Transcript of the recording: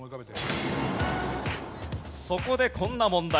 そこでこんな問題。